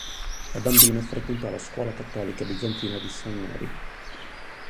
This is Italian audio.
Da bambino frequentò la scuola cattolica bizantina di St. Mary.